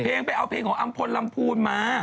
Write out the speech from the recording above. เพลงไปเอาเพลงของอัมพลลำพูนมา